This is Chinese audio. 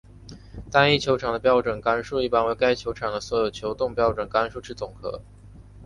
单一球场的标准杆数一般为该球场的所有球洞标准杆数之总和。